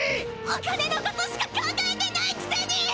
お金のことしか考えてないくせに！